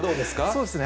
そうですね。